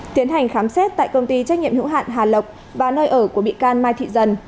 tiến hành khám xét tại công ty trách nhiệm hữu hạn hà lộc và nơi ở của bị can mai thị dần